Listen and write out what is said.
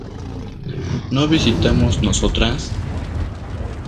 ¿No visitamos nosotras?